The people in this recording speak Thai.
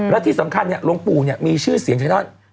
และที่สำคัญเนี่ยหลวงปู่เนี่ยมีชื่อเสียงทางด้าน